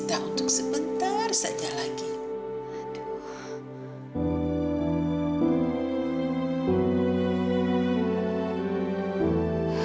dia bisa makan bisa tertawa